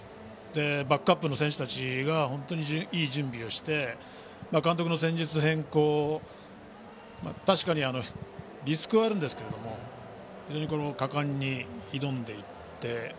バックアップの選手たちが本当にいい準備をして監督の戦術変更確かにリスクはありますが果敢に挑んで。